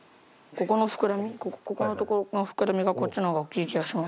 ここのとこの膨らみがこっちの方が大きい気がします。